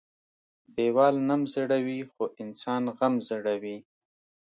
ـ ديوال نم زړوى خو انسان غم زړوى.